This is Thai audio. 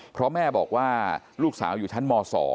เพราะแม่บอกว่าลูกสาวอยู่ชั้นม๒